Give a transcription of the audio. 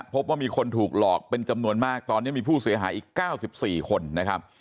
พบว่ามีคนถูกหลอกเป็นจำนวนมากตอนนี้มีผู้เสียหายอีก๙๔คนนะครับ